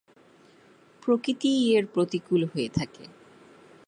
প্রকৃতিই এর প্রতিকূল হয়ে থাকে।